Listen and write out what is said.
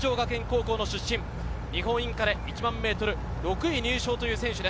日本インカレ１００００ｍ、６位入賞という選手。